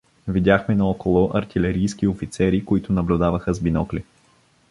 Видяхме няколко артилерийски офицери, които наблюдаваха с бинокли.